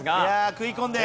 食い込んで！